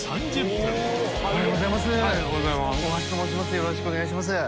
よろしくお願いします。